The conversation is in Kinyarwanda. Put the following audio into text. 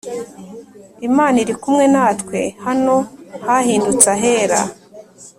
Imana iri kumwe natwe hano ha hindutse ahera